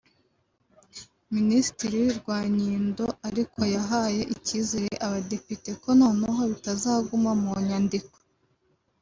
Minisitiri Rwanyindo ariko yahaye ikizere abadepite ko noneho bitazaguma mu nyandiko